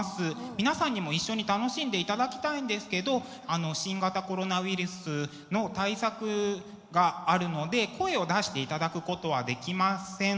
皆さんにも一緒に楽しんでいただきたいんですけど新型コロナウイルスの対策があるので声を出していただくことはできません。